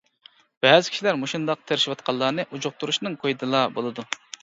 بەزى كىشىلەر مۇشۇنداق تىرىشىۋاتقانلارنى ئۇجۇقتۇرۇشنىڭ كويىدىلا بولىدۇ.